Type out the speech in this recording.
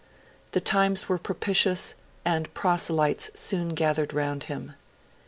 The times were propitious, and proselytes soon gathered around him.